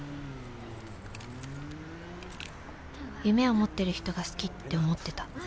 夢を持ってる人が好きって思ってた